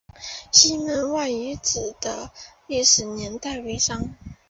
西门外遗址的历史年代为商。